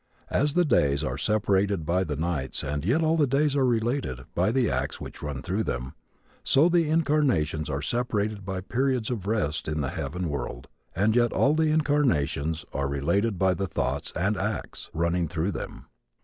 As the days are separated by the nights and yet all the days are related by the acts which run through them, so the incarnations are separated by periods of rest in the heaven world and yet all the incarnations are related by the thoughts and acts running through them.